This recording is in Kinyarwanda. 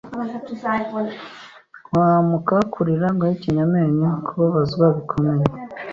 guhahamuka, kurira, guhekenya amenyo, kubabazwa bikomeye,